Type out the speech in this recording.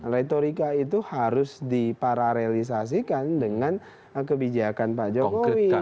retorika itu harus dipararealisasikan dengan kebijakan pak jokowi